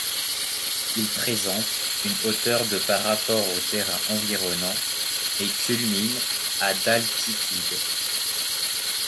Il présente une hauteur de par rapport au terrain environnant et culmine à d'altitude.